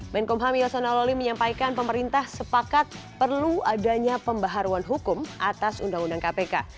menkumham yasona loli menyampaikan pemerintah sepakat perlu adanya pembaharuan hukum atas undang undang kpk